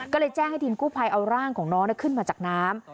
ก็เลยแจ้งให้ทีมกู้ภัยเอาร่างของน้องขึ้นมาจากน้ำ